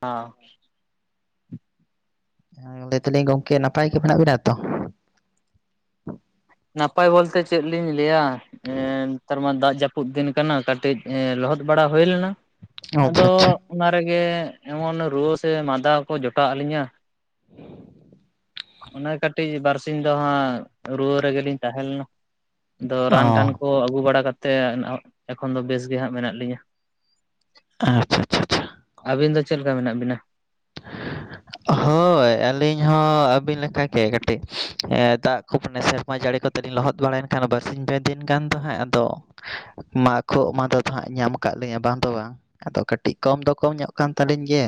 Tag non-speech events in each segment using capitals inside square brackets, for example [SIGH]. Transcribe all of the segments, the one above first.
[UNINTELLIGIBLE] ᱞᱟᱹᱭ ᱮᱫᱟᱞᱤᱧ ᱜᱚᱝᱠᱮ ᱱᱟᱯᱟᱭ ᱜᱮ ᱢᱮᱱᱟᱜ ᱵᱮᱱᱟ ᱛᱚ? ᱱᱟᱯᱟᱭ ᱵᱚᱞᱛᱮ ᱪᱮᱫ ᱞᱤᱧ ᱞᱟᱹᱭᱟ ᱮᱸᱻ ᱱᱮᱛᱟᱨ ᱢᱟ ᱫᱟᱜ ᱡᱟᱹᱯᱩᱫ ᱫᱤᱱ ᱠᱟᱱᱟ ᱠᱟᱹᱴᱤᱡ ᱮ ᱞᱚᱦᱚᱫ ᱵᱟᱲᱟ ᱦᱩᱭ ᱞᱮᱱᱟ ᱾ ᱟᱫᱚ ᱟᱪᱪᱷᱟ ᱟᱪᱪᱷᱟ ᱚᱱᱟ ᱨᱮᱜᱮ ᱮᱢᱚᱱ ᱨᱩᱣᱟᱹ ᱥᱮ ᱢᱟᱸᱫᱟ ᱠᱚ ᱡᱚᱴᱟᱣᱟᱜ ᱞᱤᱧᱟ᱾ [INAUDIBLE] ᱚᱱᱮ ᱠᱟᱹᱴᱤᱡ ᱵᱟᱨᱥᱤᱧ ᱫᱚ ᱦᱟᱸᱜ ᱱᱚᱰᱮ ᱜᱮ ᱞᱤᱧ ᱛᱟᱦᱮᱸ ᱞᱮᱱᱟ ᱾ [INAUDIBLE] ᱟᱫᱚ ᱨᱟᱱ ᱴᱟᱱ ᱚ ᱠᱚ ᱠᱚ ᱟᱹᱜᱩ ᱵᱟᱲᱟ ᱠᱟᱛᱮᱫ ᱮᱠᱷᱚᱱ ᱫᱚ ᱵᱮᱥ ᱜᱮ ᱦᱟᱸᱜ ᱢᱮᱱᱟᱜ ᱞᱤᱧᱟ ᱾ ᱟᱪᱪᱷᱟ ᱟᱪᱪᱷᱟ ᱟᱪᱪᱷᱟ ᱾ ᱟᱹᱵᱤᱱ ᱫᱚ ᱪᱮᱫ ᱞᱮᱠᱟ ᱢᱮᱱᱟᱜ ᱵᱤᱱᱟ? [INAUDIBLE] ᱦᱳᱭ ᱟᱹᱞᱤᱧ ᱦᱚᱸ ᱟᱹᱵᱤᱱ ᱞᱮᱠᱟᱜᱮ ᱠᱟᱹᱴᱤᱡ, ᱫᱟᱜ ᱠᱚ ᱢᱟᱱᱮ ᱥᱮᱨᱢᱟ ᱡᱟᱹᱲᱤ ᱠᱚ ᱠᱟᱹᱴᱤᱡ ᱞᱚᱦᱚᱫ ᱵᱟᱲᱟᱭᱮᱱ ᱠᱷᱟᱱ ᱵᱟᱨᱥᱤᱧ ᱯᱮ ᱫᱤᱱ ᱜᱟᱱ ᱫᱚ ᱦᱟᱸᱜ ᱟᱫᱚ [INAUDIBLE] ᱢᱟ ᱠᱷᱳᱜ ᱢᱟᱫᱟ ᱫᱚ ᱦᱟᱸᱜ ᱧᱟᱢ ᱟᱠᱟᱫ ᱞᱤᱧᱟ ᱵᱟᱝ ᱫᱚ ᱵᱟᱝ ᱾ ᱟᱫᱚ ᱠᱟᱹᱴᱤᱡ ᱠᱚᱢ ᱫᱚ ᱠᱚᱢ ᱧᱚᱜ ᱠᱟᱱ ᱛᱟᱹᱞᱤᱧ ᱜᱮᱭᱟ᱾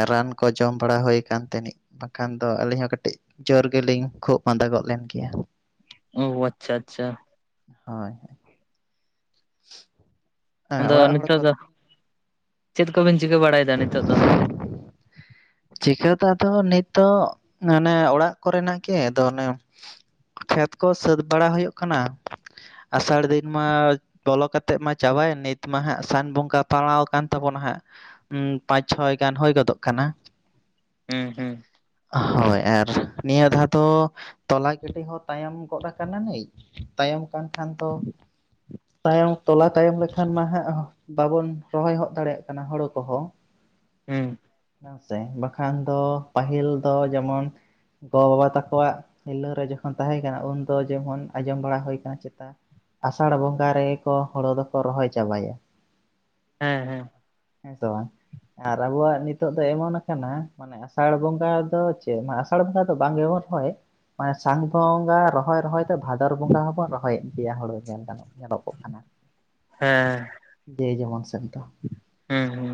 ᱮ ᱨᱟᱱ ᱠᱚ ᱡᱚᱢ ᱵᱟᱲᱟ ᱦᱩᱭ ᱟᱠᱟᱱ ᱛᱮ ᱱᱤᱡ ᱵᱟᱠᱷᱟᱱ ᱫᱚ ᱟᱹᱞᱤᱧ ᱦᱚᱸ ᱠᱟᱹᱴᱤᱡ ᱡᱳᱨ ᱜᱮᱞᱤᱧ ᱠᱷᱩᱜ ᱢᱟᱸᱫᱟ ᱜᱚᱫ ᱞᱮᱱ ᱜᱮᱭᱟ᱾ ᱚᱣ ᱟᱪᱪᱷᱟ ᱟᱪᱪᱷᱟ᱾ ᱦᱚᱭ᱾ [INAUDIBLE] ᱟᱫᱚ ᱚᱲᱟᱜ ᱦᱚᱲ ᱱᱤᱛᱚᱜ ᱠᱚ ᱫᱚ [INAUDIBLE] ᱪᱮᱫ ᱠᱚᱵᱮᱱ ᱪᱤᱠᱟᱹ ᱵᱟᱲᱟᱭ ᱮᱫᱟ ᱱᱤᱛᱚᱜ ᱫᱚ? ᱪᱤᱠᱟᱹ ᱫᱚ ᱟᱫᱚ ᱱᱤᱛᱚᱜ ᱟᱱᱮ ᱚᱲᱟᱜ ᱠᱚᱨᱮ ᱱᱟᱜ ᱜᱮ ᱾ ᱟᱫᱚ ᱚᱱᱮ ᱠᱷᱮᱛ ᱠᱚ ᱥᱟᱹᱛ ᱵᱟᱲᱟ ᱦᱩᱭᱩᱜ ᱠᱟᱱᱟ ᱾ [INAUDIBLE] ᱟᱥᱟᱲ ᱫᱤᱱ ᱢᱟ ᱵᱚᱞᱚ ᱠᱟᱛᱮᱜ ᱢᱟ ᱪᱟᱵᱟᱭᱮᱱ, ᱱᱤᱛ ᱢᱟ ᱦᱟᱸᱜ ᱥᱟᱱ ᱵᱚᱸᱜᱟ ᱯᱟᱲᱟᱣ ᱟᱠᱟᱱ ᱛᱟᱵᱚᱱᱟ ᱦᱟᱸᱜ᱾ ᱩᱸᱢ ᱯᱟᱸᱪ ᱪᱷᱚᱭ ᱜᱟᱱ ᱦᱩᱭ ᱜᱚᱫᱚᱜ ᱠᱟᱱᱟ᱾ ᱦᱩᱸ ᱦᱩᱸ᱾ ᱦᱚᱭ ᱟᱨ ᱱᱤᱭᱟᱹ ᱫᱷᱟᱣ ᱫᱚ ᱛᱚᱞᱟ ᱜᱤᱰᱤ ᱦᱚᱸ ᱛᱟᱭᱚᱢ ᱜᱚᱫ ᱟᱠᱟᱱᱟ ᱱᱤᱡ ᱾ ᱛᱟᱭᱚᱢ ᱟᱠᱟᱱ ᱠᱷᱟᱱ ᱛᱚ ᱛᱟᱭᱚᱢ ᱛᱚᱞᱟ ᱛᱟᱭᱚᱢ ᱞᱮᱠᱷᱟᱱ ᱢᱟ ᱦᱟᱸᱜ ᱵᱟᱵᱚᱱ ᱨᱚᱦᱚᱭ ᱦᱚᱜ ᱫᱟᱲᱮᱭᱟᱜ ᱠᱟᱱᱟ ᱦᱳᱲᱳ ᱠᱚ ᱦᱚᱸ᱾ ᱦᱩᱸ᱾ ᱛᱮᱦᱮᱧ ᱵᱟᱠᱷᱟᱱ ᱫᱚ ᱯᱟᱹᱦᱤᱞ ᱫᱚ ᱡᱮᱢᱚᱱ ᱜᱚ ᱵᱟᱵᱟ ᱛᱟᱠᱚᱣᱟᱜ ᱦᱤᱨᱞᱟᱹ ᱨᱮ ᱡᱚᱠᱷᱚᱱ ᱛᱟᱦᱮᱸ ᱠᱟᱱᱟ ᱩᱱ ᱫᱚ ᱡᱮᱢᱚᱱ ᱟᱸᱡᱚᱢ ᱵᱟᱲᱟ ᱦᱩᱭ ᱠᱟᱱᱟ ᱪᱮᱛᱟ ᱟᱥᱟᱲ ᱵᱚᱸᱜᱟ ᱨᱮᱜᱮ ᱠᱚ ᱦᱳᱲᱳ ᱫᱚᱠᱚ ᱨᱚᱦᱚᱭ ᱪᱟᱵᱟᱭᱟ᱾ ᱦᱮᱸ ᱦᱮᱸ᱾ [INAUDIBLE] ᱟᱨ ᱟᱵᱚᱣᱟᱜ ᱱᱤᱛᱚᱜ ᱫᱚ ᱮᱢᱚᱱ ᱟᱠᱟᱱᱟ ᱢᱟᱱᱮ ᱟᱥᱟᱲ ᱵᱚᱸᱜᱟ ᱫᱚ ᱪᱮᱫ ᱢᱟ ᱟᱥᱟᱲ ᱵᱚᱸᱜᱟ ᱫᱚ ᱵᱟᱝ ᱜᱮᱵᱚᱱ ᱨᱚᱦᱚᱭ ᱚᱸᱭ ᱥᱟᱱ ᱵᱚᱸᱜᱟ ᱨᱚᱦᱚᱭ ᱨᱚᱦᱚᱭ ᱛᱮ ᱵᱷᱟᱫᱚᱨ ᱵᱚᱸᱜᱟ ᱦᱚᱵᱚᱱ ᱨᱚᱦᱚᱭᱮᱜ ᱜᱮᱭᱟ ᱦᱩᱲᱩ ᱧᱮᱞ ᱜᱟᱱᱚᱜ ᱧᱮᱞᱚᱜᱚᱜ ᱠᱟᱱᱟ ᱾ ᱦᱮᱸ ᱫᱚ ᱾ [INAUDIBLE] ᱦᱮᱸ ᱦᱩᱸ᱾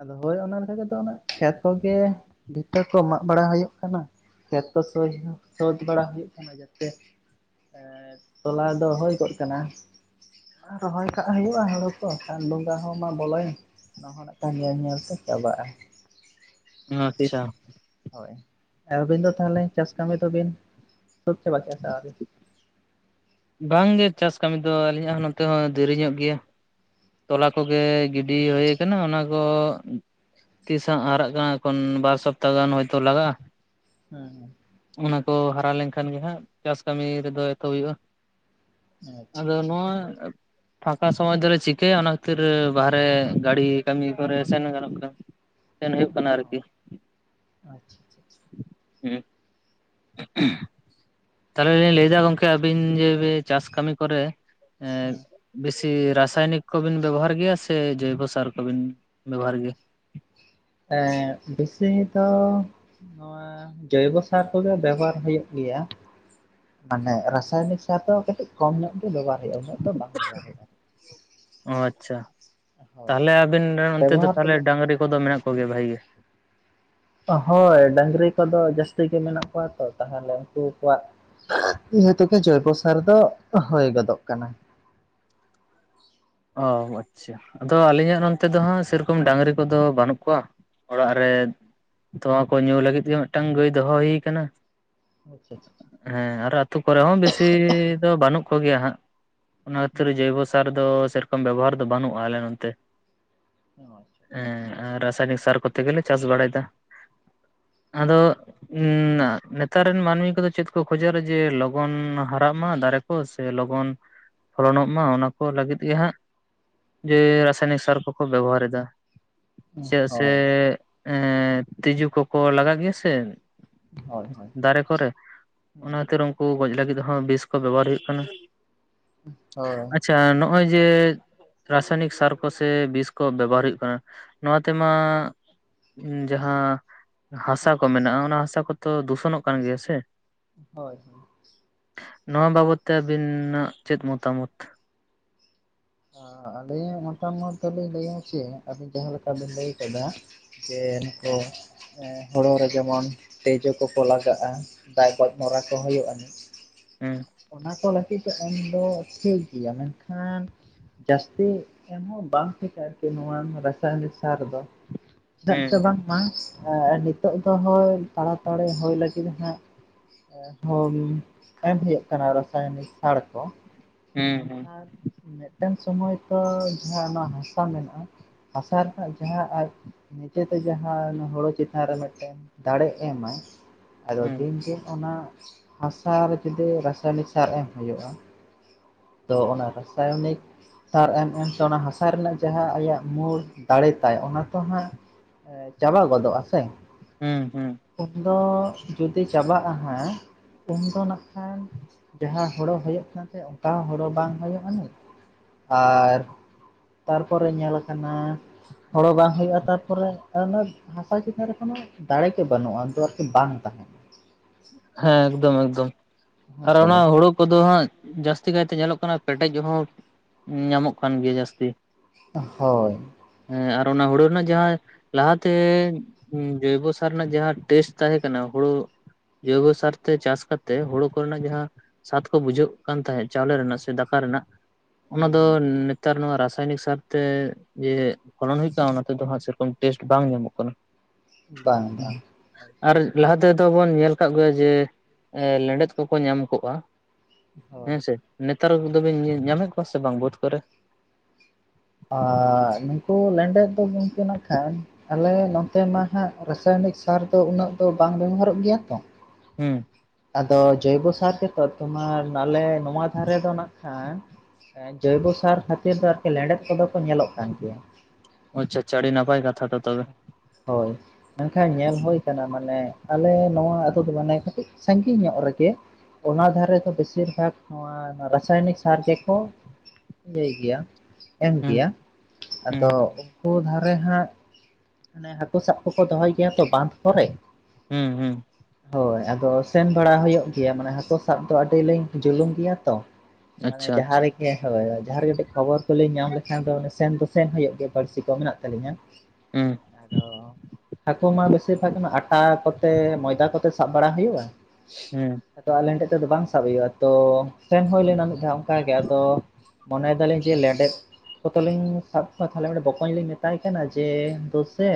ᱟᱫᱚ ᱦᱳᱭ ᱚᱱᱟ ᱞᱮᱠᱟ ᱜᱮᱫᱚ ᱚᱱᱟ ᱠᱷᱮᱛ ᱠᱚᱜᱮ ᱵᱷᱤᱛᱟᱹ ᱠᱚ ᱢᱟᱜ ᱵᱟᱲᱟ ᱦᱩᱭᱩᱜ ᱠᱟᱱᱟ᱾ ᱠᱷᱮᱛ ᱠᱚ ᱥᱳᱡᱷ ᱦᱚᱸ ᱥᱳᱡᱽ ᱵᱟᱲᱟ ᱦᱩᱭᱩᱜ ᱠᱟᱱᱟ, ᱡᱟᱛᱮ ᱦᱮᱸᱻ ᱛᱚᱞᱟ ᱫᱚ ᱦᱳᱭ ᱜᱚᱫ ᱠᱟᱱᱟ᱾ ᱨᱚᱦᱚᱭ ᱠᱟᱜ ᱦᱩᱭᱩᱜ-ᱟ ᱦᱩᱲᱩ ᱠᱚ, ᱥᱟᱱ ᱰᱚᱸᱜᱟ ᱦᱚᱸ ᱢᱟ ᱵᱚᱞᱚᱭᱮᱱ᱾ ᱚᱱᱟ ᱦᱚᱸ ᱱᱟᱸᱜ ᱠᱷᱟᱱ ᱧᱮᱞ ᱧᱮᱞ ᱛᱮ ᱪᱟᱵᱟᱜ-ᱟ᱾ ᱚᱸ ᱟᱪᱪᱷᱟ᱾ ᱦᱚᱭ᱾ ᱟᱹᱵᱤᱱ ᱫᱚ ᱛᱟᱦᱚᱞᱮ ᱪᱟᱥ ᱠᱟᱢᱤ ᱫᱩᱵᱤᱱ ᱥᱟᱹᱛ ᱪᱟᱵᱟ ᱠᱮᱜ-ᱟ ᱥᱮ ᱟᱣᱨᱤ? ᱵᱟᱝ ᱜᱮ ᱪᱟᱥ ᱠᱟᱹᱢᱤ ᱫᱚ᱾ ᱟᱹᱞᱤᱧᱟᱜ ᱦᱚᱸ ᱱᱚᱛᱮ ᱦᱚᱸ ᱫᱮᱨᱤ ᱧᱚᱜ ᱜᱮᱭᱟ᱾ ᱛᱚᱞᱟ ᱠᱚᱜᱮ ᱜᱤᱰᱤ ᱦᱩᱭ ᱠᱟᱱᱟ ᱚᱱᱟ ᱠᱚ ᱩᱸᱜ ᱛᱤᱥ ᱦᱟᱸᱜ ᱦᱟᱨᱟᱜ ᱠᱟᱱᱟ ᱮᱠᱷᱚᱱ ᱵᱟᱨ ᱥᱚᱯᱛᱟᱦ ᱜᱟᱱ ᱦᱚᱭᱛᱚ ᱞᱟᱜᱟᱜ-ᱟ᱾ ᱦᱮᱸ ᱦᱮᱸ᱾ ᱚᱱᱟ ᱠᱚ ᱦᱟᱨᱟ ᱞᱮᱱᱠᱷᱟᱱ ᱜᱮ ᱦᱟᱸᱜ ᱪᱟᱥ ᱠᱟᱢᱤ ᱨᱮᱫᱚ ᱮᱛᱚᱦᱚᱵ ᱦᱩᱭᱩᱜ-ᱟ᱾ ᱦᱮᱸ ᱟᱪᱪᱷᱟ ᱟᱫᱚ ᱟᱪᱪᱷᱟ ᱱᱚᱣᱟ ᱮᱹᱵ ᱯᱷᱟᱸᱠᱟ ᱥᱚᱢᱚᱭ ᱫᱚᱨᱮ ᱪᱤᱠ ᱠᱮ ᱭᱟ ᱚᱱᱟ ᱠᱷᱟᱹᱛᱤᱨ ᱵᱟᱦᱨᱮ ᱜᱟᱲᱤ ᱠᱟᱢᱤ ᱠᱚᱨᱮ ᱥᱮᱱ ᱜᱟᱱᱚᱜ ᱠᱟᱱᱟ᱾ ᱥᱮᱱ ᱦᱩᱭᱩᱜ ᱠᱟᱱᱟ ᱟᱨ ᱠᱤ᱾ ᱦᱳᱭ ᱟᱪᱪᱷᱟ ᱟᱪᱪᱷᱟ ᱦᱩᱸ᱾ ᱛᱟᱞᱦᱮ ᱞᱤᱧ ᱞᱟᱹᱭ ᱫᱟ ᱜᱚᱝᱠᱮ ᱟᱹᱵᱤᱱ ᱡᱮ ᱵᱮ ᱪᱟᱥ ᱠᱟᱹᱢᱤ ᱠᱚᱨᱮ ᱮᱸᱫ ᱦᱮᱸ ᱵᱮᱥᱤ ᱨᱟᱥᱟᱭᱱᱤᱠ ᱠᱚᱵᱤᱱ ᱵᱮᱵᱚᱦᱟᱨ ᱜᱮᱭᱟ, ᱥᱮ ᱡᱚᱭᱵᱚ ᱥᱟᱨ ᱠᱚᱵᱤᱱ ᱵᱮᱵᱚᱦᱟᱨ ᱜᱮᱭᱟ? ᱮᱸᱜ ᱵᱤᱥᱤ ᱛᱚ ᱚᱸ ᱱᱚᱣᱟ ᱡᱳᱭᱵᱚ ᱥᱟᱨ ᱠᱚᱜᱮ ᱵᱮᱵᱚᱦᱟᱨ ᱦᱩᱭᱩᱜ ᱜᱮᱭᱟ᱾ ᱢᱟᱱᱮ ᱨᱟᱥᱟᱭᱱᱤᱠ ᱥᱟᱨ ᱫᱚ ᱠᱟᱹᱴᱤᱡ ᱠᱚᱢ ᱧᱚᱜ ᱜᱮ᱾ ᱜᱮ ᱵᱮᱵᱷᱟᱨ ᱦᱩᱭᱩᱜ-ᱟ᱾ ᱩᱱᱟᱹᱜ ᱫᱚ ᱵᱟᱝ ᱵᱮᱵᱚᱦᱟᱨ ᱦᱩᱭᱩᱜ-ᱟ᱾ ᱚ ᱟᱪᱪᱷᱟ ᱛᱟᱦᱚᱞᱮ ᱟᱵᱤᱱ ᱨᱮᱱ ᱚᱱᱛᱮ ᱫᱚ ᱛᱟᱦᱚᱞᱮ ᱰᱟᱝᱨᱤ ᱠᱚᱫᱚ ᱢᱮᱱᱟᱜ ᱠᱚ ᱜᱮᱭᱟ ᱵᱷᱟᱜ ᱜᱮ᱾ ᱚ ᱦᱚᱭ ᱰᱟᱹᱝᱨᱤ ᱠᱚᱫᱚ ᱡᱟᱹᱥᱛᱤ ᱜᱮ ᱢᱮᱱᱟᱜ ᱠᱚᱣᱟ ᱛᱚ ᱛᱟᱦᱚᱞᱮ ᱩᱱᱠᱩ ᱠᱚᱣᱟᱜ-ᱼ ᱤᱧᱦᱚᱛᱮᱫ ᱛᱮ ᱡᱳᱚᱭᱵᱚ ᱥᱟᱨ ᱫᱚ ᱦᱚᱭ ᱜᱚᱫᱚᱜ ᱠᱟᱱᱟ᱾ ᱚ ᱟᱪᱪᱷᱟ᱾ ᱟᱫᱚ ᱟᱹᱞᱤᱧᱟᱜ ᱱᱚᱱᱛᱮ ᱫᱚ ᱦᱟᱸᱜ ᱥᱮᱨᱚᱠᱚᱢ ᱰᱟᱝᱨᱤ ᱠᱚᱫᱚ ᱵᱟᱹᱱᱩᱜ ᱠᱚᱣᱟ᱾ ᱚᱲᱟᱜ ᱨᱮ ᱛᱚᱣᱟ ᱠᱚ ᱧᱩ ᱞᱟᱹᱜᱤᱫ ᱜᱮ ᱢᱤᱫᱴᱟᱝ ᱜᱟᱹᱭ ᱫᱚᱦᱚ ᱦᱩᱭ ᱠᱟᱱᱟ᱾ [UNINTELLIGIBLE] ᱦᱮᱸ ᱟᱨ ᱟᱛᱩ ᱠᱚᱨᱮ ᱦᱚᱸ ᱵᱤᱥᱤ ᱫᱚ ᱵᱟᱹᱱᱩᱜ ᱠᱚᱜᱮᱭᱟ ᱦᱟᱸᱜ᱾ ᱚᱱᱟ ᱠᱷᱟᱹᱛᱤᱨ ᱡᱟᱹᱭᱵᱚᱥᱟᱨ ᱫᱚ ᱥᱮᱨᱚᱠᱚᱢ ᱵᱮᱵᱚᱦᱟᱨ ᱫᱚ ᱵᱟᱹᱱᱩᱜ-ᱟ ᱟᱞᱮ ᱱᱚᱱᱛᱮ᱾ ᱦᱮᱸᱳ ᱟᱪᱪᱷᱟ᱾ ᱦᱮᱸ ᱟᱨ ᱨᱟᱥᱟᱭᱱᱤᱠ ᱥᱟᱨ ᱠᱚᱛᱮ ᱜᱮᱞᱮ ᱪᱟᱥ ᱵᱟᱲᱟᱭᱫᱟ᱾ ᱟᱫᱚ ᱩᱸ ᱱᱟ ᱱᱮᱛᱟᱨ ᱨᱮᱱ ᱢᱟᱹᱱᱢᱤ ᱠᱚᱫᱚ ᱪᱮᱫ ᱠᱚ ᱠᱷᱚᱡᱟᱨ ᱡᱮ ᱞᱚᱜᱚᱱ ᱦᱟᱨᱟᱜ ᱢᱟ, ᱫᱟᱨᱮ ᱠᱚ ᱥᱮ ᱞᱚᱜᱚᱱ ᱯᱷᱚᱞᱚᱱᱚᱜ ᱢᱟ ᱚᱱᱟ ᱠᱚ ᱞᱟᱹᱜᱤᱫ ᱜᱮ ᱦᱟᱸᱜ ᱡᱮ ᱨᱟᱥᱟᱭᱱᱤᱠ ᱥᱟᱨ ᱠᱚᱠᱚ ᱵᱮᱵᱚᱦᱟᱨ ᱮᱫᱟ᱾ ᱪᱮᱭᱟᱜ ᱥᱮ ᱦᱳᱭ ᱮᱸᱜ ᱛᱤᱡᱩ ᱠᱚᱠᱚ ᱞᱟᱜᱟᱜ ᱜᱮᱭᱟ ᱥᱮ᱾ ᱦᱳᱭ ᱫᱟᱨᱮ ᱠᱚᱨᱮ᱾ ᱦᱳᱭ ᱚᱱᱟᱠᱷᱟᱛᱤᱨ ᱚᱝ ᱠᱩ ᱜᱚᱡ ᱞᱟᱹᱜᱤᱫ ᱦᱚᱸ ᱵᱤᱥ ᱠᱚ ᱵᱮᱵᱟᱦᱟᱨ ᱦᱩᱭᱩᱜ ᱠᱟᱱᱟ᱾ ᱦᱳᱭ ᱟᱪᱪᱷᱟ ᱱᱚᱜ ᱱᱚᱜ-ᱚᱭ ᱡᱮ ᱨᱟᱥᱟᱭᱱᱤᱠ ᱥᱟᱨ ᱠᱚ ᱥᱮ ᱵᱤᱥ ᱠᱚ ᱵᱮᱵᱚᱦᱟᱨ ᱦᱩᱭᱩᱜ ᱠᱟᱱᱟ, ᱱᱚᱣᱟ ᱛᱮᱢᱟ ᱡᱟᱦᱟᱸ ᱦᱟᱥᱟ ᱠᱚ ᱢᱮᱱᱟᱜ-ᱟ ᱚᱱᱟ ᱦᱟᱥᱟ ᱠᱚᱫᱚ ᱫᱩᱥᱚᱱᱚᱜ ᱠᱟᱱ ᱜᱮᱭᱟ ᱥᱮ? ᱦᱳᱭ ᱦᱩᱸ᱾ ᱱᱚᱣᱟ ᱵᱟᱵᱚᱛ ᱛᱮ ᱟᱹᱵᱤᱱᱟᱜ ᱪᱮᱫ ᱢᱚᱛᱟᱢᱚᱛ? ᱟ ᱟᱞᱤᱭᱟᱜ ᱢᱚᱛᱟᱢᱚᱛ ᱫᱚ ᱞᱤᱧ ᱞᱟᱹᱭᱟ ᱪᱮᱜ, ᱟᱹᱵᱤᱱ ᱡᱟᱦᱟᱸᱞᱮᱠᱟ ᱵᱤᱱ ᱞᱟᱹᱭ ᱠᱮᱫᱟ᱾ ᱡᱮ ᱱᱚᱜ-ᱚ᱾ ᱮᱸ ᱦᱳᱲᱳ ᱨᱮ ᱡᱮᱢᱚᱱ ᱛᱤᱡᱳ ᱠᱚᱠᱚ ᱞᱟᱜᱟᱜᱼᱟ, ᱫᱟᱭ ᱜᱚᱡᱽ ᱢᱚᱨᱟ ᱠᱚ ᱦᱩᱭᱩᱜ ᱟᱹᱱᱤᱡ᱾ ᱦᱩᱸ᱾ ᱚᱱᱟ ᱠᱚ ᱞᱟᱹᱜᱤᱫ ᱫᱚ ᱮᱢᱫᱚ ᱴᱷᱤᱠ ᱜᱮᱭᱟ, ᱢᱮᱱᱠᱷᱟᱱ ᱡᱟᱹᱥᱛᱤ ᱮᱢᱦᱚᱸ ᱵᱟᱝ ᱴᱷᱤᱠᱟ ᱟᱨᱠᱤ ᱱᱚᱣᱟ ᱮᱱᱟ ᱨᱟᱥᱟᱭᱚᱱᱤᱠ ᱥᱟᱨ ᱫᱚ᱾ ᱪᱮᱫᱟᱜ ᱦᱩᱸ ᱪᱚ ᱵᱟᱝᱢᱟ ᱮ ᱱᱤᱛᱚᱜ ᱫᱚ ᱦᱳᱭ ᱛᱟᱲᱟᱛᱟᱲᱤ ᱦᱳᱭ ᱞᱟᱹᱜᱤᱫ ᱦᱟᱸᱜ ᱚ ᱡᱚᱢ ᱮᱢ ᱦᱩᱭᱩᱜ ᱠᱟᱱᱟ ᱨᱚᱥᱟᱭᱚᱱᱤᱠ ᱥᱟᱲ ᱠᱚ, ᱦᱩᱸ ᱦᱩᱸ ᱢᱮᱱᱠᱷᱟᱱ ᱢᱤᱜᱴᱟᱝ ᱥᱩᱢᱚᱭ ᱛᱚ ᱡᱟᱦᱟ ᱚᱱᱟ ᱦᱟᱥᱟ ᱢᱮᱱᱟᱜᱼᱟ ᱦᱟᱥᱟ ᱨᱮᱱᱟᱜ ᱡᱟᱦᱟᱸ ᱟᱡ ᱱᱤᱡᱮ ᱛᱮ ᱡᱟᱦᱟᱸ ᱚᱱᱟ ᱦᱳᱲᱳ ᱪᱮᱛᱟᱱ ᱨᱮ ᱢᱤᱜᱴᱮᱱ ᱫᱟᱲᱮ ᱮᱢᱟ᱾ ᱟᱫᱚ ᱦᱩᱸ ᱫᱤᱱ ᱫᱤᱱ ᱚᱱᱟ ᱦᱟᱥᱟ ᱨᱮ ᱡᱩᱫᱤ ᱨᱟᱥᱟᱭᱚᱱᱤᱠ ᱥᱟᱨ ᱮᱢ ᱦᱩᱭᱩᱜᱼᱟ᱾ ᱛᱚ ᱚᱱᱟ ᱨᱟᱥᱟᱭᱚᱱᱤᱠ ᱛᱟᱨ ᱮᱢ ᱮᱢᱛᱮ ᱚᱱᱟ ᱦᱟᱥᱟ ᱨᱮᱱᱟᱜ ᱡᱟᱦᱟᱸ ᱟᱭᱟᱜ ᱢᱩᱲ ᱫᱟᱲᱮ ᱛᱟᱭ ᱚᱱᱟ ᱛᱚ ᱦᱟᱸᱜ ᱮ ᱪᱟᱵᱟ ᱜᱚᱫᱚᱜᱼᱟ ᱥᱮ᱾ ᱦᱩᱸᱼᱦᱩᱸ᱾ ᱩᱱ ᱫᱚ ᱡᱩᱫᱤ ᱪᱟᱵᱟᱜᱼᱟ ᱦᱟᱸᱜ, ᱩᱱ ᱫᱚ ᱱᱟᱜ ᱠᱷᱟᱱ ᱡᱟᱦᱟᱸ ᱦᱳᱲᱳ ᱦᱚᱭᱚᱜ ᱠᱟᱱ ᱛᱟᱦᱮᱸ, ᱚᱝᱠᱟ ᱦᱚᱸ ᱦᱳᱲᱳ ᱵᱟᱝ ᱦᱚᱭᱚᱜ ᱟᱹᱱᱤᱡ ᱟᱨ ᱛᱟᱨᱯᱚᱨᱮ ᱧᱮᱞ ᱟᱠᱟᱱᱟ ᱦᱳᱲᱳ ᱵᱟᱝ ᱦᱩᱭᱩᱜᱼᱟ, ᱛᱟᱨᱯᱚᱨᱮ ᱟᱨ ᱟᱹᱱᱟᱹᱫ ᱦᱟᱥᱟ ᱪᱮᱛᱟᱱ ᱨᱮ ᱠᱚᱱᱚ ᱫᱟᱲᱮ ᱜᱮ ᱵᱟᱹᱱᱩᱜᱼᱟ ᱫᱚᱨ ᱠᱤ ᱵᱟᱝ ᱛᱟᱦᱮᱸᱱᱟ᱾ ᱦᱮᱸ ᱮᱠᱫᱚᱢ ᱮᱠᱫᱚᱢ ᱦᱮᱸ ᱟᱨ ᱥᱮ ᱚᱱᱟ ᱦᱩᱲᱩ ᱠᱚᱫᱚ ᱦᱟᱸᱜ ᱡᱟᱹᱥᱛᱤ ᱠᱟᱭᱛᱮ ᱧᱮᱞᱚᱜ ᱠᱟᱱᱟ ᱯᱮᱴᱮᱡ ᱦᱚᱸ ᱧᱟᱢᱚᱜ ᱠᱟᱱ ᱜᱮᱭᱟ ᱡᱟᱹᱥᱛᱤ᱾ ᱦᱳᱭ᱾ ᱮᱸ ᱟᱨ ᱚᱱᱟ ᱦᱩᱲᱩ ᱨᱮᱱᱟᱜ ᱡᱟᱦᱟᱸ ᱞᱟᱦᱟᱛᱮ ᱡᱚᱭᱵᱳ ᱥᱟᱨ ᱨᱮᱱᱟᱜ ᱡᱟᱦᱟᱸ ᱴᱮᱥ ᱛᱟᱦᱮᱸ ᱠᱟᱱᱟ ᱦᱩᱲᱩ ᱡᱳᱭᱵᱳ ᱥᱟᱨ ᱛᱮ ᱪᱟᱥ ᱠᱟᱛᱮ ᱦᱳᱲᱳ ᱠᱚᱨᱮᱱᱟᱜ ᱡᱟᱦᱟᱸ ᱥᱟᱛ ᱠᱚ ᱵᱩᱡᱷᱟᱹᱜ ᱠᱟᱱ ᱛᱟᱦᱮᱸ ᱪᱟᱣᱞᱮ ᱨᱮᱱᱟᱜ ᱥᱮ ᱫᱟᱠᱟ ᱨᱮᱱᱟᱜ᱾ ᱚᱱᱟ ᱦᱮᱸ ᱫᱚ ᱦᱮᱸ ᱱᱮᱛᱟᱨ ᱱᱚᱣᱟ ᱨᱟᱥᱟᱭᱱᱤᱠ ᱥᱟᱨᱛᱮ ᱡᱮ ᱯᱷᱚᱞᱚᱱ ᱦᱩᱭ ᱠᱟ ᱚᱱᱟ ᱛᱮᱫᱚ ᱦᱟᱸᱜ ᱥᱮᱨᱚᱠᱚᱢ ᱴᱮᱥᱴ ᱵᱟᱝ ᱧᱟᱢᱚᱜ ᱠᱟᱱᱟ᱾ ᱵᱟᱝ ᱵᱟᱝ᱾ ᱟᱨ ᱮᱠᱫᱚᱢ ᱞᱟᱦᱟ ᱛᱮᱫᱚ ᱵᱚᱱ ᱧᱮᱞ ᱠᱟᱜ ᱜᱮᱭᱟ ᱡᱮ ᱮᱸ ᱞᱮᱸᱰᱮᱛ ᱠᱚᱠᱚ ᱧᱟᱢ ᱠᱚᱜᱼᱟ᱾ ᱦᱳᱭ ᱦᱮᱸ ᱥᱮ ᱱᱮᱛᱟᱨ ᱠᱚᱫᱚ ᱵᱤᱱ ᱧᱟ-ᱧᱟᱢᱮᱜ ᱠᱚᱣᱟ ᱥᱮ ᱵᱟᱝ ᱵᱟᱹᱫᱽ ᱠᱚᱨᱮ? ᱟᱨ ᱱᱩᱝᱠᱩ ᱞᱮᱸᱰᱮᱛ ᱫᱚ ᱜᱚᱝ ᱛᱮ ᱱᱟᱜᱠᱷᱟᱱ ᱟᱞᱮ ᱱᱚᱛᱮ ᱢᱟ ᱦᱟᱸᱜ ᱨᱟᱥᱟᱭᱚᱱᱤᱠ ᱥᱟᱨ ᱫᱚ ᱩᱱᱟᱹᱜ ᱫᱚ ᱵᱟᱝ ᱵᱮᱵᱷᱟᱨᱚᱜ ᱜᱮᱭᱟ ᱛᱚ᱾ ᱦᱩᱸ᱾ ᱟᱫᱚ ᱡᱚᱭᱵᱳ ᱥᱟᱨ ᱛᱮᱛᱚ ᱛᱚᱢᱟᱨ ᱱᱟᱞᱮ ᱱᱚᱶᱴᱣᱟ ᱫᱷᱟᱨᱮ ᱫᱚ ᱱᱟᱜ ᱠᱷᱟᱱ ᱮᱸ ᱡᱚᱭᱵᱳ ᱥᱟᱨ ᱠᱷᱟᱹᱛᱤᱨ ᱫᱚ ᱟᱨᱠᱤ ᱞᱮᱸᱰᱮᱛ ᱠᱚᱫᱚ ᱠᱚ ᱧᱮᱞᱚᱜ ᱠᱟᱱ ᱜᱮᱭᱟ᱾ ᱚᱪᱪᱷᱟ ᱟᱪᱪᱷᱟ ᱟᱹᱰᱤ ᱱᱟᱯᱟᱭ ᱠᱟᱛᱷᱟ ᱛᱚ ᱛᱚᱵᱮ᱾ ᱦᱳᱭ ᱢᱮᱱᱠᱷᱟᱱ ᱧᱮᱞ ᱦᱳᱭ ᱠᱟᱱᱟ ᱢᱟᱱᱮ ᱟᱞᱮ ᱱᱚᱣᱟ ᱟᱛᱳ ᱫᱚ ᱢᱟᱱᱮ ᱠᱟᱹᱴᱤᱡ ᱥᱟᱺᱜᱤᱧ ᱧᱚᱜ ᱨᱮᱜᱮ᱾ ᱚᱱᱟ ᱫᱷᱟᱨᱮ ᱫᱚ ᱵᱮᱥᱤᱨ ᱵᱷᱟᱠ ᱱᱚᱣᱟ ᱨᱟᱥᱟᱭᱚᱱᱤᱠ ᱥᱟᱨ ᱡᱮ ᱠᱚ ᱭᱟᱹᱭ ᱜᱮᱭᱟ ᱮᱢ ᱦᱩᱸ ᱜᱮᱭᱟ, ᱦᱩᱸ ᱟᱫᱚ ᱩᱝᱠᱩ ᱫᱷᱟᱨᱮ ᱦᱟᱸᱜ ᱚᱱᱮ ᱦᱟᱠᱳ ᱥᱟᱵ ᱠᱚᱠᱚ ᱫᱚᱦᱚᱭ ᱜᱮᱭᱟ ᱛᱚ ᱵᱟᱸᱫᱷ ᱠᱚᱨᱮ᱾ ᱦᱩᱸ ᱦᱩᱸ᱾ ᱦᱳᱭ ᱟᱫᱚ ᱥᱮᱱ ᱵᱟᱲᱟ ᱦᱩᱭᱩᱜ ᱜᱮᱭᱟ ᱢᱟᱱᱮ ᱦᱟᱠᱚ ᱥᱟᱵ ᱫᱚ ᱟᱹᱰᱤ ᱞᱤᱧ ᱡᱩᱞᱩᱢ ᱜᱮᱭᱟ ᱛᱚ᱾ ᱢᱟᱱᱮ ᱟᱪᱪᱷᱟ ᱟᱪᱪᱷᱟ ᱡᱟᱦᱟᱸ ᱨᱮ ᱜᱮ ᱦᱚᱭᱚᱭᱟ ᱡᱟᱦᱟᱸ ᱨᱮ ᱠᱟᱹᱴᱤᱡ ᱠᱷᱚᱵᱚᱨ ᱠᱚᱞᱤᱧ ᱧᱟᱢ ᱞᱮᱠᱷᱟᱱ ᱫᱚ ᱥᱮᱱ ᱫᱚ ᱥᱮᱱ ᱦᱩᱭᱩᱜ ᱜᱮ ᱵᱟᱲᱥᱤ ᱠᱚ ᱢᱮᱱᱟᱜ ᱛᱟᱞᱤᱧᱟ᱾ ᱩᱸ᱾ ᱟᱫᱚ ᱦᱟᱠᱩ ᱢᱟ ᱵᱮᱥᱤᱨ ᱵᱷᱟᱜ ᱜᱮᱢᱟ ᱟᱴᱟ ᱠᱚᱛᱮ ᱢᱚᱭᱫᱟ ᱠᱚᱛᱮ ᱥᱟᱵ ᱵᱟᱲᱟ ᱦᱩᱭᱩᱜᱼᱟ᱾ ᱦᱩᱸ᱾ ᱟᱫᱚ ᱟᱞᱮᱱ ᱴᱷᱮᱡ ᱛᱮᱫᱚ ᱵᱟᱝ ᱥᱟᱵ ᱦᱩᱭᱩᱜᱼᱟ, ᱛᱚ ᱥᱮᱱ ᱦᱩᱭ ᱞᱮᱱᱟ ᱢᱤᱫ ᱫᱷᱟᱣ ᱚᱱᱠᱟ ᱜᱮ ᱟᱫᱚ ᱢᱚᱱᱮᱭ ᱫᱟᱹᱞᱤᱧ ᱡᱮ ᱞᱮᱸᱰᱮᱛ ᱠᱚᱛᱚ ᱞᱤᱧ ᱥᱟᱵ ᱠᱚᱣᱟ ᱛᱟᱦᱚᱞᱮ ᱢᱤᱫ ᱴᱮᱡ ᱵᱚᱠᱚᱧ ᱞᱤᱧ ᱢᱮᱛᱟᱭ ᱠᱟᱱᱟ ᱡᱮ ᱫᱳ ᱥᱮ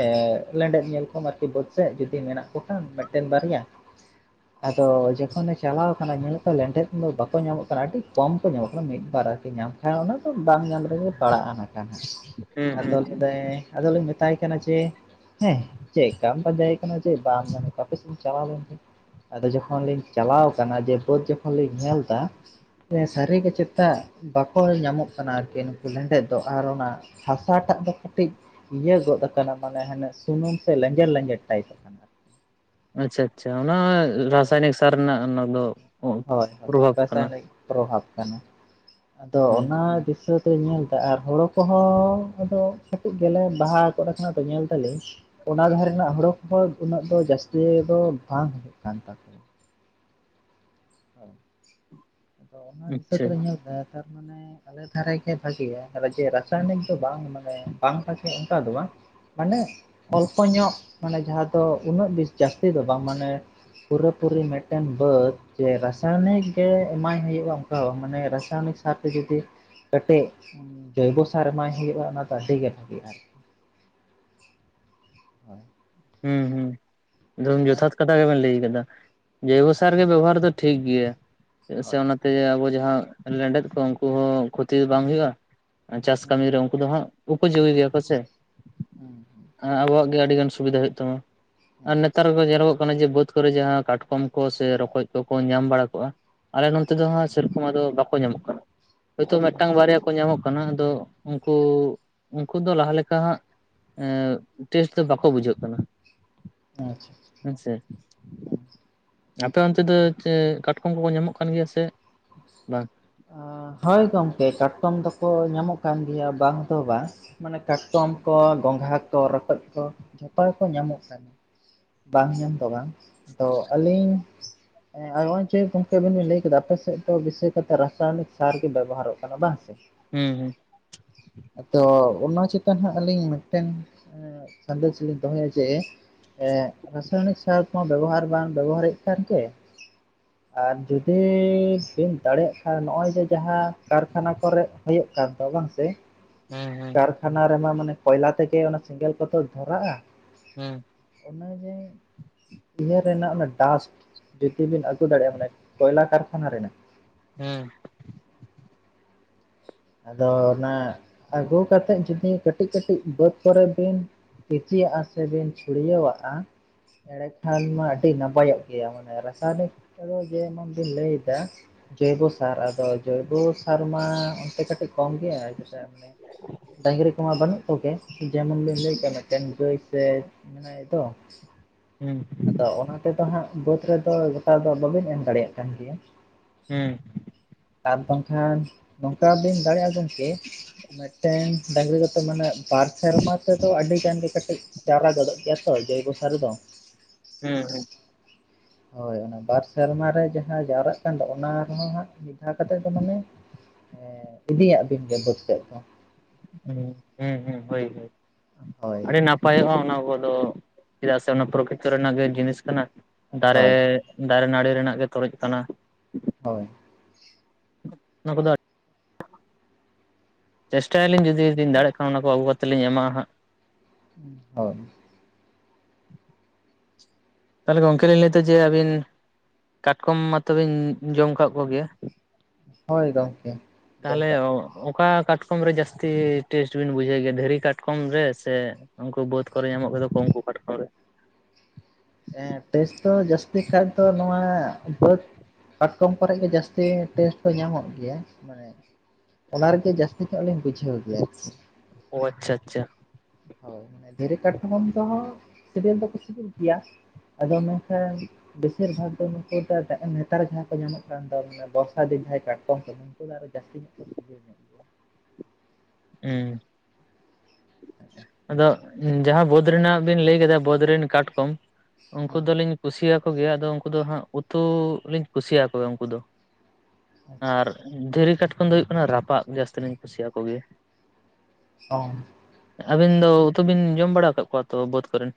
ᱞᱮᱸᱰᱮᱛ ᱧᱮᱞ ᱠᱚᱢ ᱟᱨᱠᱤ ᱵᱟᱹᱫᱽ ᱥᱮᱫ ᱡᱩᱫᱤ ᱢᱮᱱᱟᱜ ᱠᱚ ᱠᱷᱟᱱ ᱢᱤᱫᱴᱮᱱ ᱵᱟᱨᱭᱟ [INAUDIBLE] ᱟᱫᱚ ᱡᱚᱠᱷᱚᱱᱮ ᱪᱟᱞᱟᱣ ᱠᱟᱱᱟ ᱧᱮᱞᱮᱫ ᱠᱚᱣᱟᱭ ᱞᱮᱸᱰᱮᱛ ᱫᱚ ᱵᱟᱠᱚ ᱧᱟᱢᱚᱜ ᱠᱟᱱᱟ, ᱟᱹᱰᱤ ᱠᱚᱢ ᱠᱚ ᱧᱟᱢᱚᱜ ᱠᱟᱱᱟ ᱢᱤᱫ ᱵᱟᱨ ᱟᱨᱠᱤ ᱧᱟᱢ ᱠᱷᱟᱡ ᱚᱱᱟ ᱫᱚ ᱵᱟᱝ ᱧᱟᱢ ᱨᱮᱜᱮ ᱯᱟᱲᱟᱜᱼᱟ ᱱᱟᱜ-ᱠᱷᱟᱱ ᱦᱟᱸᱜ ᱟᱫᱚ ᱞᱟᱹᱭ ᱫᱟᱭ ᱟᱫᱚ ᱞᱤᱧ ᱢᱮᱛᱟᱭ ᱠᱟᱱᱟ ᱡᱮ ᱦᱮᱸ ᱪᱮᱫᱠᱟᱢ ᱯᱟᱡᱟᱭᱮ ᱠᱟᱱᱟ ᱡᱮ ᱵᱟᱢ ᱧᱟᱢᱮ ᱦᱟᱯᱮ ᱥᱮᱧ ᱪᱟᱞᱟᱣ ᱞᱮᱱ ᱜᱮ᱾ ᱟᱫᱚ ᱡᱚᱠᱷᱚᱱ ᱞᱤᱧ ᱪᱟᱞᱟᱣ ᱠᱟᱱᱟ ᱡᱮ ᱵᱟᱹᱫᱽ ᱡᱚᱠᱷᱚᱱ ᱞᱤᱧ ᱧᱮᱞᱫᱟ ᱥᱮ ᱥᱟᱨᱤ ᱜᱮ ᱪᱮᱛᱟ ᱵᱟᱠᱚ ᱧᱟᱢᱚᱜ ᱠᱟᱱᱟ ᱟᱨᱠᱤ ᱱᱩᱠᱩ ᱞᱮᱸᱰᱮᱫ ᱫᱚ ᱟᱨ ᱚᱱᱟ ᱦᱟᱥᱟᱴᱟᱜ ᱫᱚ ᱠᱟᱹᱴᱤᱡ ᱤᱭᱟᱹ ᱜᱚᱫ ᱟᱠᱟᱱᱟ ᱢᱟᱱᱮ ᱦᱟᱱᱮ ᱥᱩᱱᱩᱢ ᱥᱮ ᱞᱮᱧᱡᱮᱨ ᱞᱮᱧᱡᱮᱨ ᱴᱟᱭᱤᱯ ᱟᱠᱟᱱᱟ᱾ ᱟᱪᱪᱷᱟ ᱟᱪᱪᱷᱟ ᱚᱱᱟ ᱨᱟᱥᱟᱭᱱᱤᱠ ᱥᱟᱨ ᱨᱮᱱᱟᱜ ᱚᱱᱟ ᱫᱚ ᱦᱳᱭ ᱦᱳᱭ ᱯᱨᱚᱵᱷᱟᱵᱽ ᱠᱟᱱᱟ ᱨᱟᱥᱟᱭᱚᱱᱤᱠ ᱯᱨᱳᱵᱷᱟᱵᱽ ᱠᱟᱱᱟ, ᱟᱫᱚ ᱦᱮᱸ ᱚᱱᱟ ᱫᱤᱥᱟᱹ ᱦᱤᱛᱳᱜ ᱤᱧ ᱧᱮᱞ ᱮᱫᱟ ᱟᱨ ᱦᱳᱲᱳ ᱠᱚᱦᱚᱸ ᱟᱫᱚ ᱠᱟᱹᱴᱤᱡ ᱜᱮᱞᱮ ᱵᱟᱦᱟ ᱜᱚᱫ ᱠᱟᱱᱟ ᱛᱚ ᱧᱮᱞ ᱫᱟᱞᱤᱧ ᱚᱱᱟ ᱫᱷᱟᱨᱮᱱᱟᱜ ᱦᱳᱲᱳ ᱠᱚᱦᱚᱸ ᱩᱱᱟᱹᱜ ᱫᱚ ᱡᱟᱹᱥᱛᱤ ᱫᱚ ᱵᱟᱝ ᱦᱩᱭᱩᱜ ᱠᱟᱱ ᱛᱟᱠ ᱟᱫᱚ ᱚᱱᱟ ᱫᱤᱥᱟᱹ ᱟᱪᱪᱷᱟ ᱛᱮ ᱧᱮᱞ ᱫᱟ ᱛᱟᱨ ᱢᱟᱱᱮ ᱟᱞᱮ ᱫᱷᱟᱨᱮ ᱜᱮ ᱵᱷᱟᱜᱮᱭᱟ ᱟᱨ ᱡᱮ ᱨᱟᱥᱟᱭᱚᱱᱤᱠ ᱫᱚ ᱵᱟᱝ ᱢᱟᱱᱮ ᱵᱟᱝ ᱵᱷᱟᱜᱮᱭᱟ ᱚᱝᱠᱟ ᱫᱚ ᱵᱟᱝ ᱢᱟᱱᱮ ᱚᱞᱯᱚ ᱧᱚᱜ ᱢᱟᱱᱮ ᱡᱟᱦᱟᱸ ᱛᱚ ᱩᱱᱟᱹᱜ ᱵᱤᱥ ᱡᱟᱹᱥᱛᱤ ᱫᱚ ᱵᱟᱝ ᱢᱟᱱᱮ ᱯᱩᱨᱟᱹ ᱯᱩᱨᱤ ᱢᱤᱫᱴᱮᱱ ᱵᱟᱹᱫᱽ ᱡᱮ ᱨᱟᱥᱟᱭᱚᱱᱤᱠ ᱜᱮ ᱮᱢᱟᱭ ᱦᱩᱭᱩᱜᱼᱟ ᱚᱝᱠᱟ ᱫᱚ ᱵᱟᱝ, ᱢᱟᱱᱮ ᱨᱟᱥᱟᱭᱱᱤᱠ ᱥᱟᱨ ᱛᱮ ᱡᱩᱫᱤ ᱠᱟᱹᱴᱤᱡ ᱡᱚᱭᱵᱚ ᱥᱟᱨ ᱮᱢᱟᱭ ᱦᱩᱭᱩᱜᱼᱟ ᱚᱱᱟ ᱫᱚ ᱟᱹᱰᱤ ᱜᱮ ᱵᱷᱟᱹᱜᱮᱼᱟ ᱟᱨᱠᱤ᱾ ᱦᱳᱭ ᱦᱩᱸ ᱦᱩᱸ ᱮᱠᱫᱚᱢ ᱟᱨ ᱡᱚᱛᱷᱟᱛ ᱠᱟᱛᱷᱟ ᱜᱮᱵᱤᱱ ᱞᱟᱹᱭ ᱟᱠᱟᱫᱟ, ᱡᱚᱭᱵᱚ ᱥᱟᱨ ᱜᱮ ᱵᱮᱵᱚᱦᱟᱨ ᱫᱚ ᱴᱷᱤᱠ ᱜᱮᱭᱟ ᱪᱮᱫᱟᱜ ᱥᱮ ᱦᱳᱭ ᱚᱱᱟ ᱛᱮ ᱟᱵᱚ ᱡᱟᱦᱟᱸ ᱞᱮᱸᱰᱮᱫ ᱠᱚ ᱩᱱᱠᱩ ᱦᱚᱸ ᱠᱷᱩᱛᱤ ᱵᱟᱝ ᱦᱩᱭᱩᱜᱼᱟ, ᱟᱨ ᱪᱟᱥ ᱦᱩᱸ ᱠᱟᱹᱢᱤ ᱨᱮ ᱩ ᱩᱱᱠᱩ ᱫᱚ ᱦᱟᱸᱜ ᱩᱠᱩ ᱪᱩᱠᱩᱭ ᱜᱮᱭᱟ ᱠᱚ ᱥᱮ? ᱦᱮᱸ᱾ ᱮᱸ ᱟᱵᱚᱣᱟᱜ ᱜᱮ ᱟᱹᱰᱤ ᱜᱟᱱ ᱥᱩᱵᱤᱫᱷᱟ ᱦᱩᱭᱩᱜ ᱛᱟᱢᱟ ᱟᱨ ᱦᱩᱸ ᱱᱮᱛᱟᱨ ᱠᱚ ᱡᱮᱨᱚᱠ ᱦᱩᱭᱩᱜ ᱠᱟᱱᱟ ᱡᱮ ᱵᱟᱹᱫ ᱠᱚᱨᱮ ᱡᱟᱦᱟᱸ ᱠᱟᱴᱠᱚᱢ ᱠᱚ ᱥᱮ ᱨᱚᱠᱚᱡ ᱠᱚᱠᱚ ᱧᱟᱢ ᱵᱟᱲᱟ ᱠᱚᱜ-ᱟ᱾ ᱟᱞᱮ ᱱᱚᱱᱛᱮ ᱫᱚ ᱦᱟᱸᱜ ᱥᱮᱨᱚᱠᱚᱢ ᱟᱫᱚ ᱵᱟᱠᱚ ᱧᱟᱢᱚᱜ ᱠᱟᱱᱟ, ᱦᱚᱭᱛᱳ ᱢᱤᱫᱴᱟᱝ ᱵᱟᱨᱭᱟ ᱠᱚ ᱧᱟᱢᱚᱜ ᱠᱟᱱᱟ ᱟᱫᱚ ᱩᱱᱠᱩ ᱩᱱᱠᱩ ᱫᱚ ᱞᱟᱦᱟ ᱞᱮᱠᱟ ᱦᱟᱸᱜᱰ ᱴᱮᱥᱴ ᱫᱚ ᱵᱟᱠᱚ ᱵᱩᱡᱷᱟᱹᱜ᱾ ᱠᱟᱱᱟ᱾ ᱦᱩᱸ ᱟᱪᱪᱷᱟ ᱦᱮᱸ ᱥᱮ? ᱦᱩᱸ ᱟᱯᱮ ᱚᱱᱛᱮ ᱫᱚ ᱪᱮ ᱠᱟᱴᱠᱚᱢ ᱠᱚᱠᱚ ᱧᱟᱢᱚᱜ ᱠᱟᱱ ᱜᱮᱭᱟ ᱥᱮ ᱵᱟᱝ? ᱮᱸ ᱦᱳᱭ ᱜᱚᱝᱠᱮ ᱠᱟᱴᱠᱚᱢ ᱫᱚᱠᱚ ᱧᱟᱢᱚᱜ ᱠᱟᱱ ᱜᱮᱭᱟ ᱵᱟᱝ ᱫᱚ ᱵᱟᱝ ᱢᱟᱱᱮ ᱠᱟᱴᱠᱚᱢ ᱠᱚ ᱜᱚᱝᱜᱷᱟ ᱠᱚ ᱨᱟᱹᱠᱚᱡ ᱠᱚ, ᱡᱷᱚᱛᱚ ᱜᱮᱠᱚ ᱧᱟᱢᱚᱜ ᱠᱟᱱᱟ᱾ ᱵᱟᱝ ᱧᱟᱢ ᱫᱚ ᱵᱟᱝ, ᱛᱚ ᱟᱹᱞᱤᱧ ᱦᱚᱸᱜᱼᱚᱭ ᱡᱮ ᱜᱚᱝᱠᱮ ᱟᱵᱤᱱ ᱵᱤᱱ ᱞᱟᱹᱭ ᱠᱮᱫᱟ ᱟᱯᱮ ᱥᱮᱫ ᱫᱚ ᱵᱤᱥᱚᱭ ᱠᱟ ᱨᱟᱥᱟᱭᱚᱱᱤᱠ ᱥᱟᱨ ᱜᱮ ᱵᱮᱵᱚᱦᱟᱨᱚᱜ ᱠᱟᱱᱟ, ᱵᱟᱝ ᱥᱮ? ᱦᱩᱸ ᱦᱩᱸ᱾ ᱟᱫᱚ ᱚᱱᱟ ᱪᱮᱛᱟᱱ ᱦᱟᱜ ᱟᱹᱞᱤᱧ ᱢᱤᱫᱴᱮᱱ ᱥᱟᱫᱮᱥ ᱞᱤᱧ ᱫᱚᱦᱚᱭᱟ ᱡᱮ ᱮ ᱨᱟᱥᱟᱭᱚᱱᱤᱠ ᱥᱟᱨ ᱠᱚᱢᱟ ᱵᱮᱵᱚᱦᱟᱨ ᱵᱟᱝ ᱵᱮᱵᱚᱦᱟᱨᱮᱫ ᱠᱷᱟᱱ ᱜᱮ ᱟᱨ ᱡᱩᱫᱤ ᱥᱤᱱ ᱫᱟᱲᱮᱭᱟᱜ ᱟᱨ ᱱᱚᱜᱼᱚᱭ ᱡᱮ ᱡᱟᱦᱟᱸ ᱠᱟᱨᱠᱷᱟᱱᱟ ᱠᱚᱨᱮ ᱦᱩᱭᱩᱜ ᱠᱟᱱ ᱫᱚ ᱵᱟᱝ ᱥᱮ, ᱦᱮᱸ ᱦᱮᱸ, ᱦᱟᱱᱟ ᱨᱮᱢᱟ ᱢᱟᱱᱮ ᱠᱚᱭᱞᱟ ᱛᱮᱜᱮ ᱚᱱᱟ ᱥᱮᱸᱜᱮᱞ ᱠᱚᱫᱚ ᱫᱷᱚᱨᱟᱜ-ᱟ᱾ ᱦᱮᱸ ᱤᱱᱟ ᱜᱮ, ᱤᱭᱟᱹ ᱨᱮᱱᱟᱜ ᱚᱱᱟ ᱰᱟᱥᱴ, ᱡᱩᱫᱤ ᱵᱤᱱ ᱟᱹᱜᱩ ᱫᱟᱲᱮᱭᱟᱜᱼᱟ ᱢᱟᱱᱮ ᱠᱚᱭᱞᱟ ᱠᱟᱨᱠᱷᱟᱱᱟ ᱨᱮᱱᱟᱜ, ᱦᱮᱸ ᱟᱫᱚ ᱚᱱᱟ ᱟᱹᱜᱩ ᱠᱟᱛᱮᱫ ᱡᱩᱫᱤ ᱠᱟᱹᱴᱤᱡ ᱠᱟᱹᱴᱤᱡ ᱵᱟᱹᱫ ᱠᱚᱨᱮ ᱵᱤᱱ ᱤᱨᱪᱤᱭᱟᱼᱟ ᱥᱮ ᱵᱤᱱ ᱪᱷᱩᱲᱭᱟᱹᱣᱟᱜᱼᱟ, ᱮᱲᱮ ᱠᱷᱟᱱ ᱢᱟ ᱟᱹᱰᱤ ᱱᱟᱯᱟᱭᱚᱜ ᱜᱮᱭᱟ, ᱢᱟᱱᱮ ᱨᱟᱥᱟᱭᱱᱤᱠ ᱠᱚᱫᱚ ᱡᱮᱢᱚᱱ ᱵᱤᱱ ᱞᱟᱹᱭ ᱮᱫᱟ ᱡᱚᱭᱵᱚ ᱥᱟᱨ, ᱟᱫᱚ ᱡᱚᱭᱵᱚ ᱥᱟᱨ ᱢᱟ, ᱠᱟᱹᱴᱤᱡ ᱠᱟᱹᱴᱤᱡ ᱠᱚᱢ ᱜᱮᱭᱟ, ᱪᱮᱫᱟᱜ ᱥᱮ ᱰᱟᱝᱨᱤ ᱠᱚᱢᱟ ᱵᱟᱹᱱᱩᱜ ᱠᱚᱜᱮ, ᱡᱮᱢᱚᱱ ᱵᱤᱱ ᱞᱟᱹᱭ ᱠᱮᱜ ᱢᱤᱫᱴᱮᱱ ᱜᱟᱹᱭ ᱥᱮ ᱢᱮᱱᱟᱭ ᱛᱚ ᱦᱩᱸ ᱟᱫᱚ ᱚᱱᱟ ᱛᱮᱫᱚ ᱦᱟᱸᱜ ᱵᱟᱹᱫᱽ ᱨᱮᱫᱚ ᱜᱚᱴᱟ ᱫᱚ ᱵᱟᱹᱵᱤᱱ ᱮᱢ ᱫᱟᱲᱮᱭᱟᱜ ᱠᱟᱱ ᱜᱮᱭᱟ, ᱦᱩᱸ ᱟᱨ ᱵᱟᱝᱠᱷᱟᱱ ᱱᱚᱝᱠᱟ ᱵᱤᱱ ᱫᱟᱲᱮᱭᱟᱜ-ᱟ ᱜᱚᱢᱠᱮ, ᱢᱮᱴᱮᱱ ᱰᱟᱹᱝᱨᱤ ᱠᱚᱫᱚ ᱢᱟᱱᱮ ᱵᱟᱨ ᱥᱮᱨᱢᱟ ᱛᱮᱫᱚ ᱟᱹᱰᱤ ᱜᱟᱱ ᱜᱮ ᱠᱟᱹᱴᱤᱡ ᱪᱟᱨᱟ ᱜᱚᱫᱚᱜ ᱜᱮᱭᱟ ᱛᱚ ᱡᱚᱭᱵᱚ ᱥᱟᱨ ᱫᱚ, ᱦᱩᱸ ᱦᱩᱸ, ᱦᱳᱭ ᱚᱱᱟ ᱵᱟᱨ ᱥᱮᱨᱢᱟ ᱨᱮ ᱡᱟᱦᱟᱸ ᱡᱟᱣᱨᱟᱜ ᱠᱟᱱ ᱫᱚ ᱚᱱᱟ ᱨᱮᱦᱚᱸ ᱦᱟᱸᱜ ᱢᱤᱫ ᱫᱷᱟᱣ ᱠᱟᱛᱮᱫ ᱫᱚ ᱢᱟᱱᱮ, ᱤᱫᱤᱭᱟᱜ ᱵᱤᱱ ᱜᱮ ᱵᱟᱹᱫᱽ ᱥᱮᱫ ᱫᱚ᱾ ᱦᱩᱸ, ᱦᱩᱸ ᱦᱩᱸ, ᱦᱳᱭ ᱦᱳᱭ, ᱦᱳᱭ ᱟᱹᱰᱤ ᱱᱟᱯ ᱱᱟᱯᱟᱭᱚᱜᱼᱟ ᱚᱱᱟ ᱠᱚᱫᱚ, ᱪᱮᱫᱟᱜ ᱥᱮ ᱚᱱᱟ ᱯᱨᱚᱠᱤᱛᱚ ᱨᱮᱱᱟᱜ ᱜᱮ ᱡᱤᱱᱤᱥ ᱠᱟᱱᱟ ᱫᱟᱨᱮ ᱦᱳᱭ ᱫᱟᱨᱮ ᱱᱟᱹᱲᱤ ᱨᱮᱱᱟᱜ ᱜᱮ ᱛᱚᱨᱡᱽ ᱠᱟᱱᱟ᱾ ᱦᱳᱭ, ᱚᱱᱟ ᱠᱚᱫᱚ ᱟ ᱪᱮᱥᱴᱟᱭᱟᱞᱤᱧ ᱡᱩᱫᱤ ᱫᱟᱲᱮᱜ ᱠᱷᱟᱱ ᱚᱱᱟ ᱠᱚ ᱟᱹᱜᱩ ᱠᱟᱛᱮ ᱞᱤᱧ ᱮᱢᱟ ᱦᱟᱸᱜ᱾ ᱦᱳᱭ ᱛᱟᱦᱚᱞᱮ ᱜᱚᱢᱠᱮ ᱞᱤᱧ ᱞᱟᱹᱭ ᱮᱫᱟ ᱡᱮ, ᱟᱹᱵᱤᱱ ᱠᱟᱴᱠᱚᱢ ᱢᱟᱛᱚᱵᱤᱱ ᱡᱚᱢ ᱠᱟᱫ ᱠᱚᱜᱮᱭᱟ? ᱦᱳᱭ ᱜᱚᱢᱠᱮ ᱡᱚᱢ ᱛᱟᱦᱚᱞᱮ ᱠᱟᱜ ᱚᱠᱟ ᱠᱟᱴ ᱠᱟᱴᱠᱚᱢ ᱨᱮ ᱡᱟᱹᱥᱛᱤ ᱴᱮᱥᱴ ᱵᱤᱱ ᱵᱩᱡᱷᱟᱹᱣ ᱜᱮᱭᱟ, ᱫᱷᱤᱨᱤ ᱠᱟᱴᱠᱚᱢ ᱨᱮ ᱥᱮ ᱩᱱᱠᱩ ᱵᱟᱹᱫᱽ ᱠᱚᱨᱮ ᱧᱟᱢᱚᱜ ᱜᱮᱫ ᱠᱚ ᱩᱱᱠᱩ ᱡᱟᱴᱠᱚᱢ ᱨᱮ, ᱮ ᱴᱮᱥᱴ ᱫᱚ ᱡᱟᱹᱥᱛᱤ ᱠᱟᱭᱛᱮ ᱱᱚᱣᱟ ᱵᱟᱹᱫᱽ ᱠᱟᱴᱠᱚᱢ ᱠᱚᱨᱮ ᱜᱮ ᱡᱟᱹᱥᱛᱤ ᱴᱮᱥᱴ ᱦᱚᱸ ᱧᱟᱢᱚᱜ ᱜᱮᱭᱟ, ᱢᱟᱱᱮ ᱚᱱᱟ ᱨᱮᱜᱮ ᱡᱟᱹᱥᱛᱤ ᱧᱚᱜ ᱞᱤᱧ ᱵᱩᱡᱷᱟᱹᱣ ᱜᱮᱭᱟ ᱟᱨᱠᱤ, ᱚ ᱟᱪᱪᱷᱟ, ᱟᱪᱪᱷᱟ ᱳᱭ ᱢᱟᱱᱮ ᱫᱷᱤᱨᱤ ᱠᱟᱴᱚᱠᱚᱢ ᱫᱚᱦ ᱥᱤᱠᱤᱞ ᱫᱚ ᱠᱚ ᱥᱤᱵᱤᱞ ᱜᱮᱭᱟ, ᱟᱫᱚ ᱢᱮᱱᱠᱷᱟᱱ ᱵᱮᱥᱤᱨ ᱵᱷᱟᱜᱽ ᱫᱚ ᱱᱩᱠᱩ ᱱᱮᱛᱟᱨ ᱡᱟᱦᱟᱸ ᱠᱚ ᱧᱟᱢᱚᱜ ᱠᱟᱱ ᱫᱚ, ᱵᱚᱨᱥᱟ ᱫᱤᱱ ᱡᱟᱦᱟᱸᱭ ᱠᱟᱴᱠᱚᱢ ᱠᱚ, ᱩᱱᱠᱩ ᱫᱚ ᱟᱨᱦᱚ ᱡᱟᱹᱥᱛᱤ ᱧᱚᱜ ᱠᱚ ᱥᱤᱵᱤᱞ ᱧᱚᱜ, ᱜᱮᱭᱟ ᱩᱢ ᱟᱫᱚ ᱡᱟᱦᱟᱸ ᱵᱟᱹᱫᱽ ᱨᱮᱱᱟᱜ ᱵᱤᱱ ᱞᱟᱹᱭ ᱠᱮᱫᱟ, ᱵᱟᱹᱫᱽ ᱨᱤᱱ ᱠᱟᱴᱠᱚᱢ ᱩᱱᱠᱩ ᱦᱮᱸ ᱫᱚᱞᱤᱧ ᱠᱩᱥᱤᱭᱟᱠ ᱩᱱᱠᱩ ᱜᱮᱭᱟ ᱟᱫᱚ ᱩᱱᱠᱩ ᱫᱚ ᱦᱟᱸᱜ ᱩᱛᱩ ᱞᱤᱧ ᱠᱩᱥᱤᱭᱟᱠᱚ ᱜᱮ ᱩᱱᱠᱩ ᱫᱚ, ᱟᱪᱪᱷᱟ ᱟᱨ ᱫᱷᱤᱨᱤ ᱠᱟᱴᱠᱚᱢ ᱫᱚ ᱦᱩᱭᱩᱜ ᱠᱟᱱᱟ, ᱨᱟᱯᱟᱜ ᱡᱟᱹᱥᱛᱤᱞᱤᱧ ᱠᱩᱥᱤᱭᱟ ᱠᱚ ᱜᱮᱭᱟ᱾ ᱚ‍‌‍᱾ ᱟᱹᱵᱤᱱ ᱫᱚ ᱩᱛᱩ ᱵᱤᱱ ᱡᱚᱢ ᱵᱟᱲᱟ ᱟᱠᱟᱜ ᱠᱚᱣᱟ ᱛᱚ ᱵᱟᱹᱛ ᱠᱚᱨᱮᱱ?